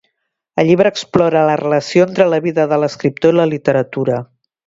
El llibre explora la relació entre la vida de l'escriptor i la literatura.